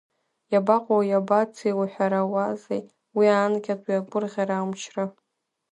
Иабаҟоу, иабацеи уҳәарауазеи, уи анкьатәи агәырӷьара, амчра?!